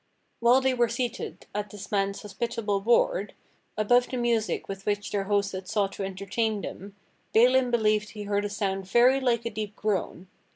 While they were seated at this man's hospitable board, above the music with which their host had sought to entertain them, Balin believed he heard a sound very like a deep groan.